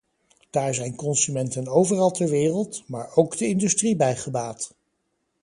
Daar zijn consumenten overal ter wereld, maar ook de industrie bij gebaat.